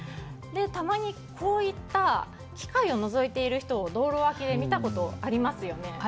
たまに、こういった機械をのぞいている人を道路脇で見たことがありますよね。